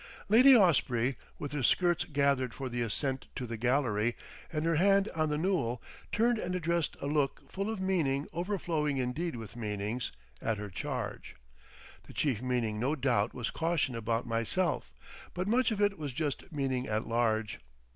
Lady Osprey, with her skirts gathered for the ascent to the gallery and her hand on the newel, turned and addressed a look full of meaning overflowing indeed with meanings—at her charge. The chief meaning no doubt was caution about myself, but much of it was just meaning at large.